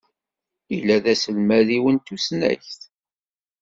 Illa d aselmad-iw n tusnakt.